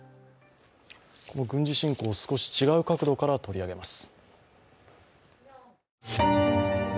この軍事侵攻を少し違う角度から取り上げます。